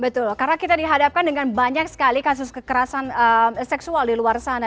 betul karena kita dihadapkan dengan banyak sekali kasus kekerasan seksual di luar sana